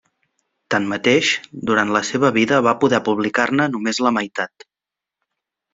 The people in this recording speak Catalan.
Tanmateix, durant la seva vida va poder publicar-ne només la meitat.